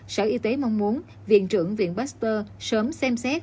sở y tế mong muốn viện trưởng viện baxper sớm xem xét